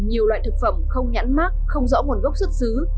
nhiều loại thực phẩm không nhãn mát không rõ nguồn gốc xuất xứ